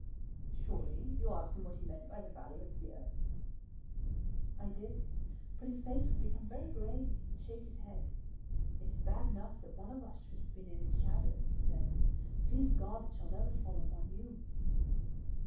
"Surely you asked him what he meant by the Valley of Fear?" "I did; but his face would become very grave and he would shake his head. 'It is bad enough that one of us should have been in its shadow,' he said. 'Please God it shall never fall upon you!'